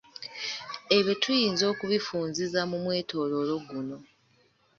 Ebyo tuyinza okubifunziza mu mwetoloolo guno.